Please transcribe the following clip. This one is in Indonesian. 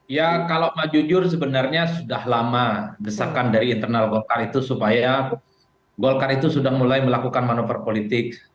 ya kalau mau jujur sebenarnya sudah lama desakan dari internal golkar itu supaya golkar itu sudah mulai melakukan manuver politik